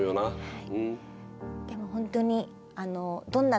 はい。